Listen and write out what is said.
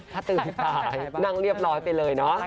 ถ้าตื่นตายนั่งเรียบร้อยไปเลยเนาะ